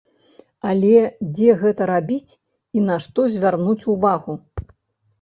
Але дзе гэта рабіць і на што звярнуць увагу?